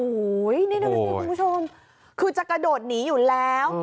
โอ้โหนี่ดูสิคุณผู้ชมคือจะกระโดดหนีอยู่แล้ว